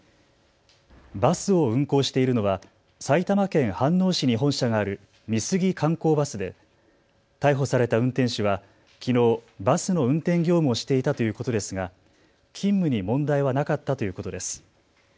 バスを運行しているのは埼玉県飯能市に本社がある美杉観光バスで逮捕された運転手はきのうバスの運転業務をしていたということですが勤務に問題はなかったということです。